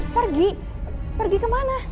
pergi pergi kemana